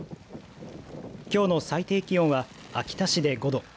きょうの最低気温は秋田市で５度。